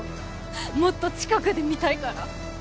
もっと近くで見たいから。